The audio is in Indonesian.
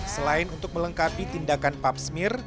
selain untuk melengkapi tindakan papsmir